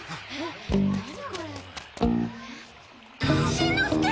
しんのすけ！